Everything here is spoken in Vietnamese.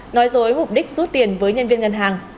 nói dối mục đích rút tiền với nhân viên ngân hàng